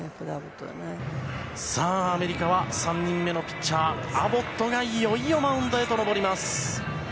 さあ、アメリカは３人目のピッチャー、アボットがいよいよマウンドへと登ります。